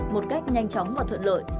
một cách nhanh chóng và thuận lợi